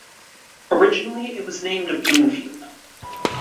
Originally it was named Bloomfield.